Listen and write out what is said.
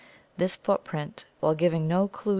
This footprint, while giving no clue Fio.